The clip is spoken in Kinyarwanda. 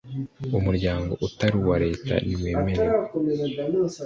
umuryango utari uwa leta ntiwemewe